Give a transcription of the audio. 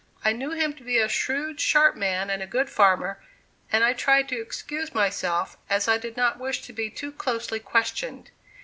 I knew him to be a shrewd, sharp man and a good farmer, and I tried to excuse myself, as I did not wish to be too closely questioned.